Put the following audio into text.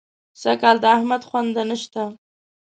سږکال د احمد خونده نه شته.